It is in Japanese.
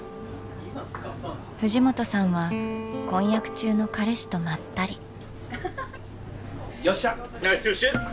藤本さんは婚約中の彼氏とまったり。